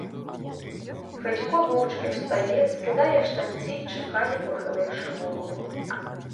Федько мовчки встає, скидає штанці й чекає, похиливши голову.